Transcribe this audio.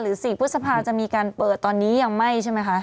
๔พฤษภาจะมีการเปิดตอนนี้ยังไม่ใช่ไหมคะ